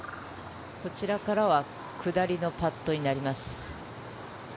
こちらからは下りのパットになります。